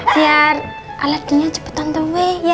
biar alatnya cepet on the way ya